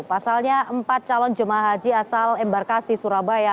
pasalnya empat calon jemaah haji asal embarkasi surabaya